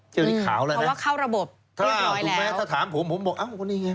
เที่ยวนี้ข่าวแล้วนะถูกไหมถ้าถามผมผมบอกเอ้าวันนี้ไง